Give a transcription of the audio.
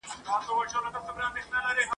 خو دانو ته یې زړه نه سو ټینګولای !.